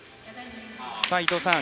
伊藤さん